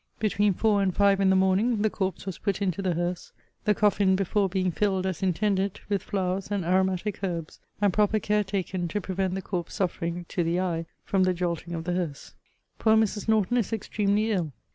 Between four and five in the morning, the corpse was put into the hearse; the coffin before being filled, as intended, with flowers and aromatic herbs, and proper care taken to prevent the corpse suffering (to the eye) from the jolting of the hearse. Poor Mrs. Norton is extremely ill.